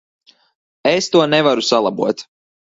Es to nevaru salabot.